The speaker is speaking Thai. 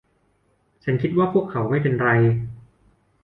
ฉันคิดว่าพวกเขาไม่เป็นไร